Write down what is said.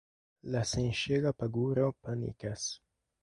La senŝela paguro panikas.